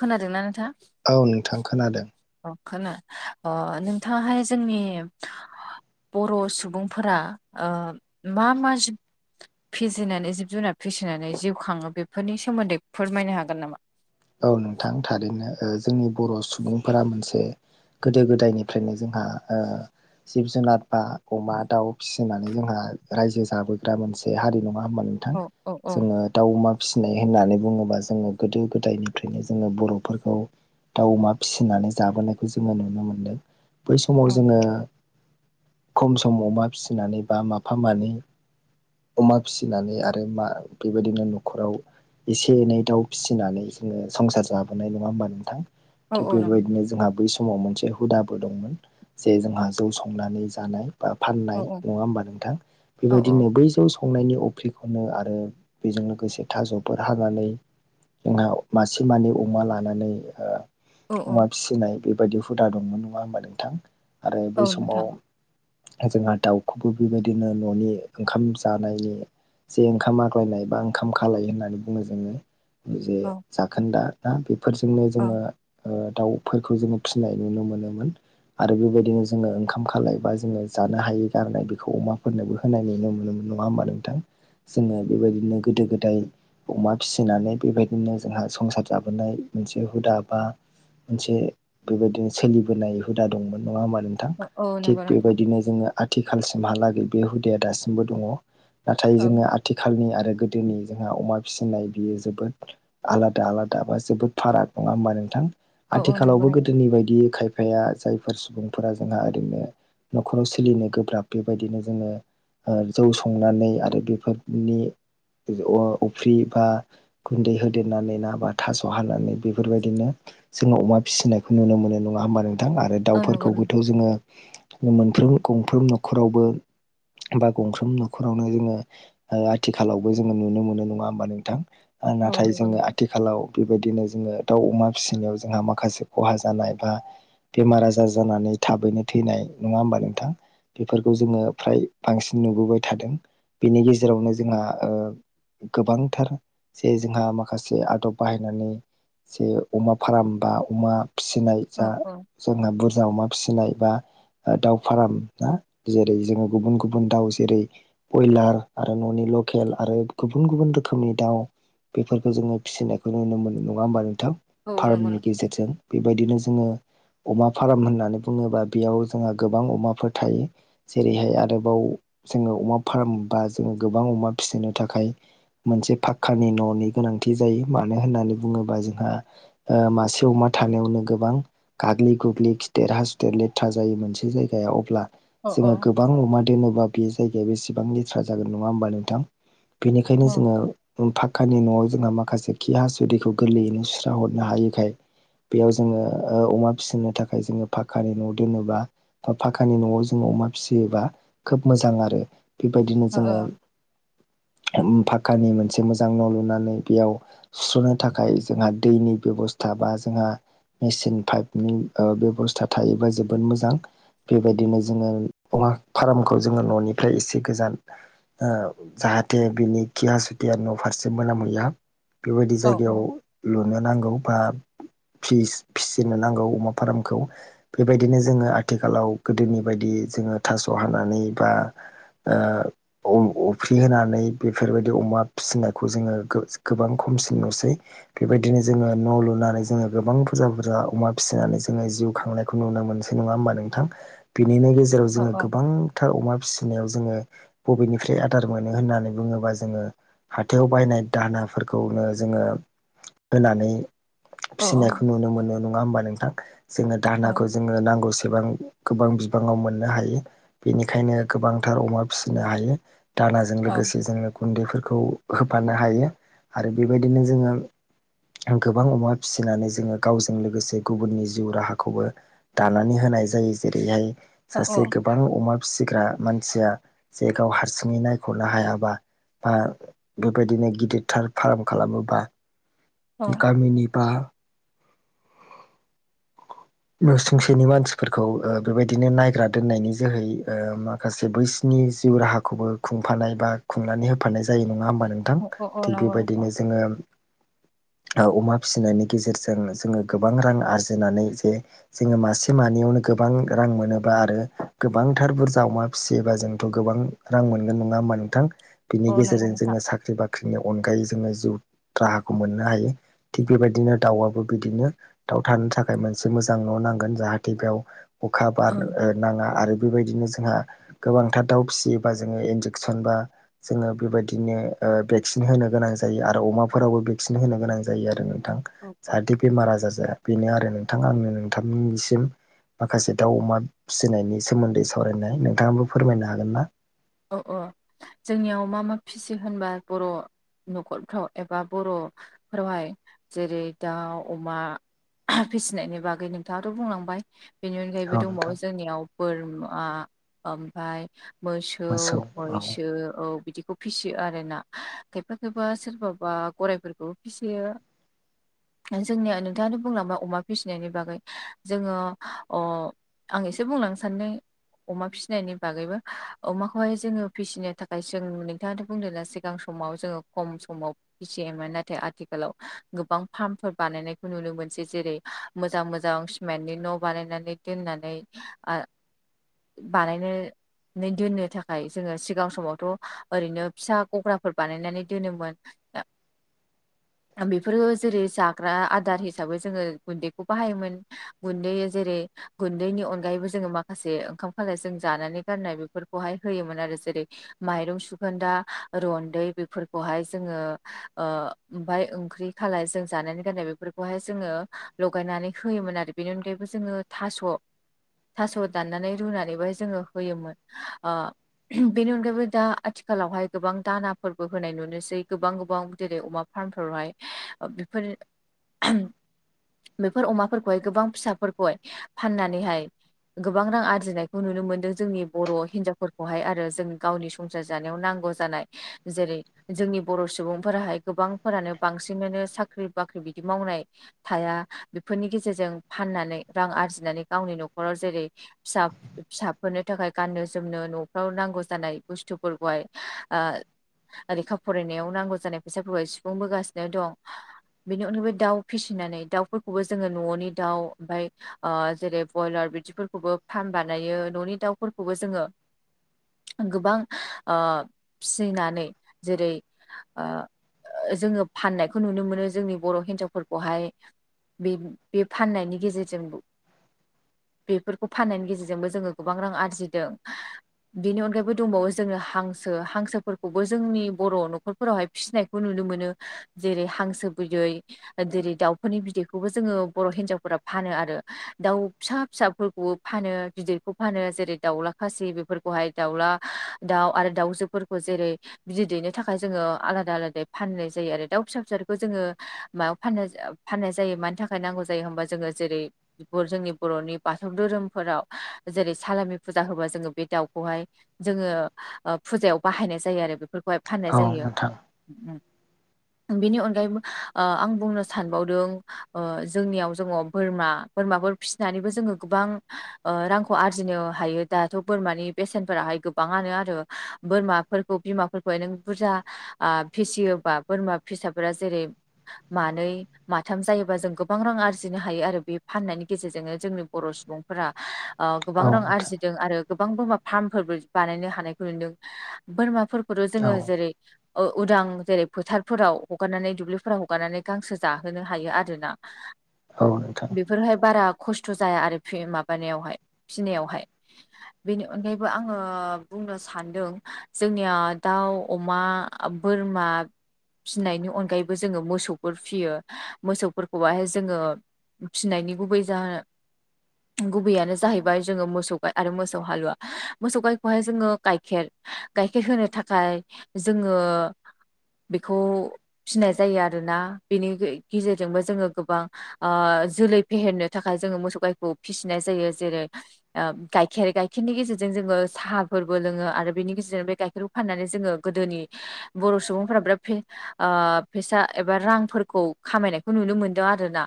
खोनादोंना नोंथां औ नोंथां खोनादों। अ खोना नोंथाङाहाय जोंनि। बर' सुबुंफोरा मा मा? फिसिनानै जिब जुनार फिसिनानै जिउ खाङो बेफोरनि सोमोन्दै फोरमायनो हागोन नामा? औ नोंथां थारैनो जोंनि बर' सुबुंफोरा मोनसे गोदो गोदायनि। ओफ्रायनो जोंहा जिब जुनार बा अमा दाउ फिसिनानै जोंहा रायजो जाबोग्रा मोनसे हारि नङा होमबा नोंथां औ औ औ जोङो। दाउ अमा फिसिनाय होननानै बुङोबा जोङो गोदो गोदायनिफ्रायनो जोङो बर'फोरखौ। दाउ अमा फिसिनानै जाबोनायखौ जोङो नुनो मोनदों बै औ समाव जोङो। खम समावमा फिसिनानै बा माफा मानै। अमा फिसिनानै आरो मा बेबायदिनो न'खराव एसे एनै दाउ फिसि ार जोनाय नोंथां औ औ नंगौ बेनो जो बै समाव मोनसे हुदाबो दंमोन जे जोंहा जौ संनानै जानाय औ फाननाय औ नङा हबा नोंथां औ औ बेबायदिनो बै जौ खंनायनि अफ्रिखौनो आरो बेजों लोगोसे थाज'फोर हानानै जोंहा मासे मानै अमा लानानै औ औ अमा फि फिसिनाय बेबायदि हुदा दंमोन नङा होनोमबा नोंथां आरो बै औ समाव नोंथां जोंहा दाउखौबो बेबायदिनो न'नि ओंखाम जानायनि। जे ओंखाम आग्लायनाय बा ओंखाम खालायो होननानै बुङो जोङो जे औ जाखोन्दा ना बेफोरजोंनो औ जोङो दाउ फोरखौ जोङो फिनाय नुनो मोनोमोन आरो बेबायदिनो जोङो ओंखाम खालाय बा जोङो जानो हायि गारनाय बेखौ अमाफोरनोबो। होनाय नुोमोन नङा होमबा नोंथां जोङो बेबायदिनो गोदो गोदाय अमा फिसिनानै। बेबायदिनो जोंहा संसार जाबोनाय मोनसे हुदा बा मोनसे बेबायदिनो सोलिबोनाय हुदा दंमोन नङा होमा नोंथां औ औ थिग नंगौ नोंथां बेबायदिनो जोङो आथिखालसिमहालागै बे हुदाया दासिमबो दङ नाथाय औ जोङो थिखालनि आरो गोदोनि जोंहा अमा फिसिनाय बियो जोबोद आलादा आलादा बा जोबोद फाराग नङा होमबा नोंथां औ औ नंगौ आथिखालावबो नोंथां गोदोनि बायदि खायफा फाया जायफोर सुबुंफोरा जोंहा ओरैनो न'खराव सोलिनो गोब्राब बेबायदिनो जोङो ओ जौ संनानै आरो बेफोरनि अफ्रि बा गुन्दै होदेरनानै ना बा थास' हानानै बेफोरबायदिनो जोङो अमा फिसिनायखौ नुनो मोनो नङा होमबा नोंथां आरो औ नंगौ नोंथां दाउफोरखौबोथ' जोङो मोनफ्रोम गंफ्रोम न'खरावबो बा गंफ्रोम न'खरावनो जोङो आथिखालावबो जोङो नुनो मोनो नङा होमबा नोंथां औ नाथाय नंगौ जोङो नोंथां आथि खालाव बेबायदिनो जोङो दाउ अमा फिसिनायाव जोंहा माखासे खहा जानाय बा बेमार आजार जानानै थाबैनो थैनाय नङा होमबा नोंथां बेफोरखौ जोङो फ्राय बांसिन नुबोबाय थादों बेनि गेजेरावनो जोंहा ओ गोबांथार जे जोंहा माखासे आदब बाहायनानै जे अमा फार्म बा अमा फिसिनाय औ जा औ जोंहा बुरजा अमा फिसिनाय बा दाउ फार्म ना जेरै जोङो गुबुन गुबुन दाउ जेरै बयलार आरो न'नि लकेल आरो गुबुन गुबुन रोखोमनि दाउ बेफोरखौ जोङो फिसिनायखौ नुनो मोनो नङा होमबा नोंथां औ नंगौ फार्मनि नोंथां गेजेरजों बेबायदिनो जोङो अमा फार्म होननानै बुङोबा बेयाव जोंहा गोबां अमाफोर थायो जेरैहाय आरोबाव जोङो अमा फार्म बा जोङो गोबां अमा फिसिनो थाखाय मोनसे फाखक्कानि न'नि गोनांथि जायो मानो होननानै बुङोबा जोंहा ओ मासे अमा थानायावनो गोबां गाग्लि गुग्लि खिदेर हासुदेर लेथ्रा जायो मोनसे जायगायाव अब्ला औ औ जोङो गोबां अमा दोनोबा बे जायगाया बेसेबां लेथ्रा जागोन नङा होमबा नोंथां बेनिखायनो औ जोङो फाखक्कानि न'आव जोंहा माखासे खि हासुदिखौ गोरलैयैनो सुस्रा हरनो हायैखाय बेयाव जोङो ओ अमा फिसिनो थाखाय जोङो फाखानि न' दोनोबा ओ फाखानि न'आव जों अमा फिसियोबा खोब मोजां आरो बेबायदिनो औ जोङो फाक्कानि मोन मोनसे मोजां न' लुनानै बेयाव सुस्र'नो थाखाय जोंहा दैनि बेबस्था बा जोंहा मेसिन पागनि बेब'स्था थायोबा जोबोद मोजां बेबायदिनो जोङो अमा फार्मखौ जोङो न'निफ्राय एसे गोजान ओ जाहाथे बिनि खिया टिया न' फारसे मोनाम हैया बेबायदि औ जायगायाव लुनो नांगौ बा फिस फिसिनो नांगौ अमा फार्मखौ बेबायदिनो जोङो आथिखालाव गोदोनि बायदि जोङो थास' हानानै बा ओ अफ्रि होनानै बेफोरबायदि अमा फिसिनायखौ जोङो गोबां खमसिन नुसै बेबायदिनो जोङो न' लुनानै जोङो गोबां बुरजा बुरजा अमा फिसिनानै जोङो जिउ खांनाय खौ नुनो मोनसै नङा होमबा नोंथां बिनिनो गेजेराव जोङो गोबां थार अमा फिसिनायाव जोङो बबेनिफ्राय आदार मोनो होननानै बुङोबा जोङो हाथायाव बायनाय दाहोनाफोरखौनो जोङो होनानै फिसिनायखौ नुनो मोनो नङा होमबा नोंथां जोङो दानाखौ जोङो नांगौसेबां गोबां बिबाङाव मोननो हायो बेनिखायनो गोबांथार अमा फिसिनो हायो दानाजों लोगोसे जोङो गुन्दैफोरखौ होफानो हायो आरो बेबायदिनो जोङो गोबां अमा फिसिनानै जोङो गावजों लोगोसे गुबुननि जिउ राहाखौबो दानानै होनाय जायो जेरैहाय औ सासे बां अमा फिसिग्रा मानसिया जे गाव हारसिङै नायख'नो हायाबा बा बेबायदिनो गिदिरथार फार्म खालामोबा औ गामिनि बा न'सुंसेनि मानसिफोरखौ बेबायदिनो नायग्रा दोननायनि जोहै माखासे बै बिनि जिउ राहाखौबो खुंफानाय बा खुंनानै होफानाय जायो नङा होमबा नों औ गोथां औ औ थिग नंगौ नोंथां बेबायदिनो जोङो। अमा फिसिनायनि गेजेरजों जोङो गोबां रां आरजिनानै जे जोङो मासे मानैयावनो गोबां रां मोनोबा आरो गोबांथार बुरजा अमा फिसियोबा जोंथ' गोबां रां मोनगोन नङा होमा नोंथां? बिनि औ नंगौ गेजेरजों नोंथां जोङो साख्रि बाख्रिनि अनगायै जोङो जिउ राहाखौ मोनो। हायो थिग बेबायदिनो दाउआबो बिदिनो। दाउ थानो थाखाय मोनसे मोजां न' नांगोन जाहाथे बेयाव अखा बार ओं नाङा आरो बेबायदिनो जोंहा गोबांथार दाउ फिसियोबा जोङो इन्जेकसन बा जोङो बेबायदिनो भेक्सिन होनो गोनां जायो आरो अमाफोरावबो न होन गां जायो आरो नोंथां औ औ जाहाथे। बेमार आजार जाया बेनो आरो नोंथाङा आंनो नोंथांनिसिम माखासे दाउ अमा फिसिनायनि सोमोन्दै सावरायनाय नोंथाङाबो फोरमायनो हागोन ना? औ औ जोंनियाव मा मा फिसि होनबा बर' न'खरफ्राव एबा बर'फोरावहाय जेरै दाउ अमा फिसिनायनि बागै नोंथाङाथ' बुंलांबाय बेनि अनगायैबो औ दंबावो नोंथां जोंनियाव बोरमा ओमफ्राय मोसौ मैसो औ बिदिखौ फिसियो आरोना खायफा खायफा सोरबाबा गराइफोरखौबो फिसियो। जोंनिया नोंथाङानो बुंलांबाय अमा फिसिनायनि बागै जोङो आं एसे बुंलांनो सानदों अमा फिनायनि बागैबो अमाखौहाय जोङो फिसिनो थाखाय जों नोंथाङाथ' बुंदोंना सिगां समाव जोङो खम समाव। बिसि एमा नाथाय आथिखालाव गोबां फार्मफोर बानायनायखौ नुनो मोनसै जेरै मोजां मोजां सिमेन्टनि न' बानायनानै दोननानै बानायनो नै दोननो थाखाय जोङो सिगां समावथ' ओरैनो फिसा गग्राफोर बानायनानै दोनोमोन। दा [unintelligible] बेफोरो जेरै जाग्रा आदार हिसाबै जोङो गुन्दैखौ बाहायोमोन। गुन्दै जेरै गुन्दैनि अनगायैबो जोङो माखासे ओंखाम खालाय जों जानानै गारनाय बे खौहाय होयोमोन आरो जेरै माइरं सुखोनदा रन्दै बेफोरखौहाय जोङो ओ ओमफाय ओंख्रि खालाय जों जानानै गारनाय बेफोरखौहाय जोङो लगायनानै होयोमोन आरो बेनि अनगायैबो जोङो थास' थास' दाननानै रुनानैबो जोङो होयोमोन ओ बेनि अनगायैबो दा आथिखालावहाय गोबां दानाफोरबो होनाय नुनोसै गोबां गोबां जेरै अमा फार्मफोरावहाय बेफोर [unintelligible] बेफोर अमाफोरखौहाय गोबां फिसाफोरखौहाय फाननानैहाय गोबां रां आरजिनायखौ नुनो मोन्दों जोंनि बर' हिनजाव फोरखौहाय आरो जोंनि गावनि संसार जानायाव नांगौ जानाय जेरै जोंनि बर' सुबुंफोराहाय गोबांफोरानो बांसिनानो साख्रि बाख्रि बिदि मावनाय थाया बेफोरनि गेजेरजों फाननानै रां आरजिनानै गावनि न'खराव जेरै फिसा फिसाफोरनो थाखाय गाननो। जोमनो न'फ्राव नांगौ जानाय बुस्थुफोरखौहाय ओ लेखा फरायनायाव नांगौ जानाय फैसाफोरखौ सुफुंबोगासिनो दं। बेनि अनगायै दाउ फिसिनानै दाउफोरखौबो जोङो न'नि दाउ ओमफाय ओ जेरै बयलार बिदि फोरखौबो फार्म बानायो न'नि दाउफोरखौबो जोङो गोबां ओ फिसिनानै जेरै ओ जोङो फाननायखौ नुनो मोनो जोंनि बर' हिन्जावफोरखौहाय बे बे फाननायनि गेजेरजों बेफोरखौ फाननायनि गेजेरजोंबो जोङो गोबां रां आरजिदों। बेनि अनगायैबो दंबावो जोङो हांसो हांसोफोरखौबो जोंनि बर' न'खरफोरावहाय फिसिनायखौ नुनो मोनो जेरै हांसो बिदै जेरै दाउफोरनि बिदैखौबो जोङो बर' हिनजावफोरा फानो आरो दाउ फिसा फिसाफोरखौबो फानो गिदिरखौ फानो जेरै दाउला खासि बेफोरखौहाय दाउला दाउ आरो दाउजोफोरखौ जेरै बिदै दैनो थाखाय जोङो आलादा आलादै फाननाय जायो आरो दाउ फिसा फिसाखौ जोङो मायाव फाननाय-फाननाय जायो मानि थाखाय नांगौ जायो होमबा जोङो जेरै जोंनि बर'नि बाथौ धोरोमफोराव जेरै सालामि फुजा फुजा होबा जोङो बे दाउखौहाय जोङो फुजायाव बाहायनाय जायो आरो बेफोरखौहाय फाननाय औ जायो नोंथां बिनि अनगायैबो ओ आं बुंनो सानबावदों ओ जोंनियाव जोङो बोरमा बोरमाफोर फिसिनानैबो जोङो गोबां ओ रांखौ आरजिनो हायो दाथ' बोरमानि बेसेनफोराहाय गोबाङानो आरो बोरमाफोरखौ बिमाफोरखौहाय नों बुरजा ओ फिसियोबा बोरमा फिसाफोरा जेरै मानै माथाम जायोबा जों गोबां रां आरजिनो हायो आरो बे फाननायनि गेजेरजोंनो जोंनि बर' सुबुंफोरा औ गोबां रां नोंथां आरजिदों आरो गोबां बोरमा फार्मफोरबो बानायनो हानायखौ नुदों बोरमाफोरखौथ' औ जोङो जेरै उदां जेरै फोथारफोराव हगारनानै दुब्लिफोराव हगारनानै गांसो जाहोनो हायो आरोना औ नोंथां [inaudible] बेफोरहाय बारा खस्थ' जाया आरो माबानायावहाय फिसिनायावहाय [inaudible] बेनि अनगायैबो आङो बुंनो सान्दों जोंनिया दाउ अमा बोरमा फिसिनायनि अनगायैबो जोङो मोसौफोर फियो मोसौफोरखौ बाहाय जोङो फिनायनि गुबै जाहोन गुबैयानो जाहैबाय जोङो मोसौ आरो मोसौ हालुवा मोसौ गायखौहाय जोङो गाइखेर गाइखेर होनो थाखाय जोङो बेखौ फिनाय जायो आरोना बेनि गेजेरजोंबो जोङो गोबां जोलै फेहेरनो थाखाय जोङो मोसौ गायखौ फिसिनाय जायो जेरै गाइखेर गाइखेरनि गेजेरजों जोङो साहाफोरबो लोङो आरो बेनि गेजेरजों बे गाइखेरखौ फाननानै जोङो गोदोनि बर' सुबुंफोरा बिराद फैसा एबा रांफोरखौ खामायनायखौ नुनो मोनदों आरोना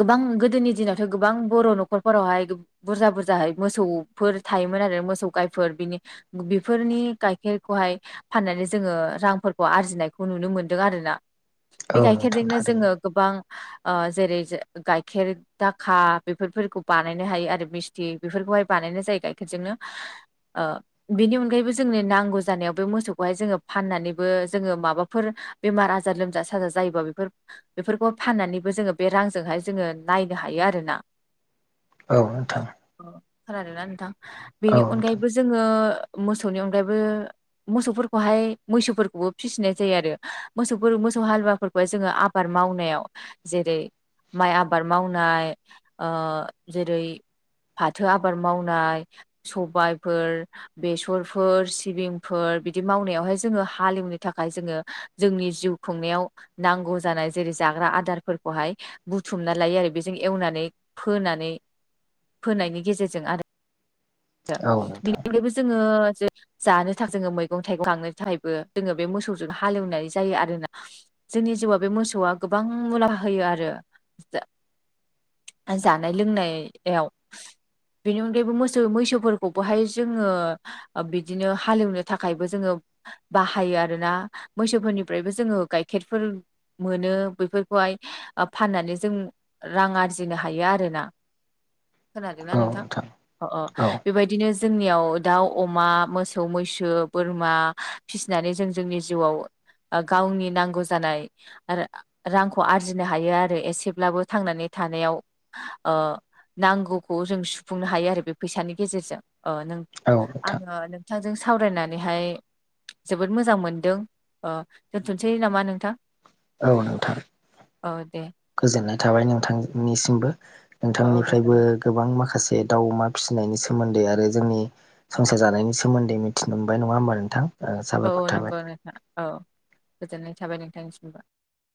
गोबां गोदोनि दिनावथ' गोबां बर' न'खर फोरावहाय बुरजा बुरजाहाय मोसौफोर थायोमोन आरो मोसौ गायफोर बिनि बेफोरनि गाइखेरखौहाय फाननानै जोङो रांफोरखौ आरजिनायखौ नुनो मोनदों आरोना औ बे नोंथां गाइखेरजोंनो थारैनो जोङो गोबां जेरै गाइखेर दाखा बेफोरखौ बानायनो हायो आरो मिस्थि बेफोरखौहाय बानायनाय जायो गाइखेरजोंनो बेनि अनगायैबो जोंनो नांगौ जानायाव बे मोसौखौहाय जोङो फाननानैबो जोङो माबाफोर बेमार आजार लोमजा साजा जायोबा बेफोर बेफोरखौ फाननानैबो जोङो बे रांजोंहाय जोङो नायनो हायो आरोना औ नोंथां अ खोनादोंना नोंथां औ बेनि नोंथां अनगायैबो जोङो मोसौनि अनगायैबो मोसौफोरखौहाय मैसौफोरखौबो फिसिनाय जायो आरो मोसौफोर मोसौ हालुवाफोरखौ बे जोङो आबाद मावनायाव जेरै माइ आबाद मावनाय जेरै फाथो आबाद मावनाय सबायाइफोर बेसरफोर सिबिंफोर बिदि मावनायावहाय जोङो हालेवनो थाखाय जोङो जोंनि जिउ खुंनायाव नांगौ जानाय जेरै जाग्रा आदारफोरखौहाय बुथुमना लायो आरो बेजों एवनानै फोनानै फोनायनि गेजेरजों आरो औ बेनि नोंथां अनगायबो जोङो जानो थाखाय जोङो मैगं थाइगं गांनो थाखायबो जोङो बे मोसौजों हालेवनाय जायो आरोना। जोंनि जिउआव बे मोसौआ गोबां मुला होयो आरो। ओ जानाय लोंनायाव बेनि अनगायैबो मोसौ मैसोफोरखौबोहाय जोङो ओ बिदिनो हालेवनो थाखायबो जोङो बाहायो आरोना मैसोफोरनिफ्रायबो जोङो गाइखेरफोर मोनो बेफोरखौहाय ओ फाननानै जों रां आरजिनो हायो आरोना। खोनादोंना नोंथां अ अ औ बेबायदि बिदिनो जोंनियाव दाउ अमा मोसौ मैसो बोरमा फिसिनानै जों जोंनि जिउआव ओ गावनि नांगौ जानाय आरो रांखौ आरजिनो हायो आरो एसेब्लाबो थांनानै थानायाव ओ नांगौखौ जों सुफुंनो हायो आरो बे फैसानि गेजेरजों ओ नों औ नोंथां आङो नों नोंथांजों सावरायनानैहाय जोबोद मोजां मोनदों दोनथ'सै ओ नामा नोंथां? औ नोंथां औ दे गोजोननाय थाबाय नोंथांनिसिमबो औ औ नोंथांनिफ्रायबो गोजोननाय गोबां माखासे दाउ अमा फिसिनायनि सोमोन्दै आरो जोंनि संसार जानायनि सोमोन्दै मिथिनो मोनबाय नङा होमबा नोंथां ओ औ औ साबायखर नंगौ थाबाय। नोंथां औ गोजोननाय थाबाय नोंथांनिसिमबो।